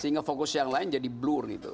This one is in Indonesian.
sehingga fokus yang lain jadi blur gitu